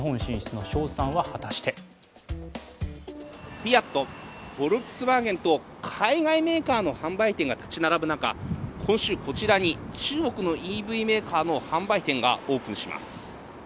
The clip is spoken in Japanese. フィアット、フォルクスワーゲンと海外メーカーの販売店が建ち並ぶ中、今週こちらに中国のＥＶメーカーの販売店がオープンします。